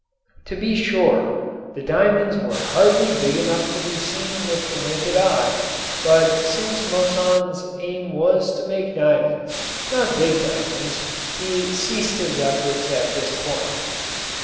To be sure, the diamonds were hardly big enough to be seen with the naked eye, but since Moissan's aim was to make diamonds, not big diamonds, he ceased his efforts at this point.